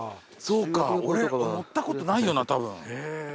そうか俺乗ったことないよなたぶん。